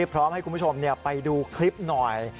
พร้อมให้คุณผู้ชมไปดูคลิปหน่อย